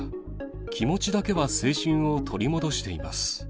気持ちだけは青春を取り戻しています。